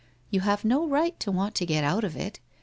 You have no right to want to get out of it.